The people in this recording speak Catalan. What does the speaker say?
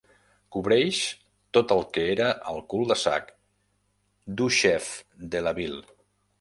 Cobreix tot el que era el cul-de-sac Duchefdelaville.